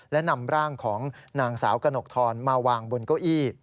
และนำร่างของนางสาวกระหนกทรมาวางบนเก้าอี้